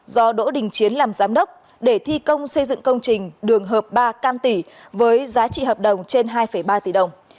do đỗ đình chiến làm giám đốc để thi công xây dựng công trình đường hợp ba cam tỷ với giá trị hợp đồng trên hai ba tỷ đồng